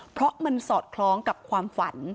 เพราะมันสอดคล้องกับความฝัน